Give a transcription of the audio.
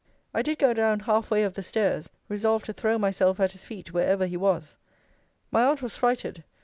I did go down half way of the stairs, resolved to throw myself at his feet wherever he was. My aunt was frighted.